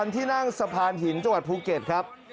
ที่นั่งสะพานหินจังหวัดภูเก็ตครับ